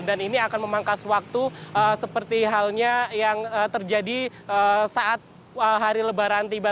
dan ini akan memangkas waktu seperti halnya yang terjadi saat hari lebaran tiba